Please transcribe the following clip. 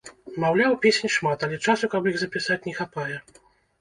Маўляў, песень шмат, але часу, каб іх запісаць, не хапае.